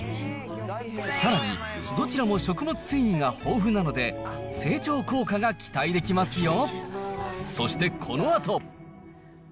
さらに、どちらも食物繊維が豊富なので、整腸効果が期待できますよ。